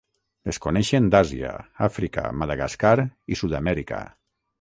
Es coneixen d'Àsia, Àfrica, Madagascar i Sud-amèrica.